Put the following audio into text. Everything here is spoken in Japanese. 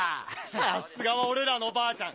さすがは俺らのばあちゃん。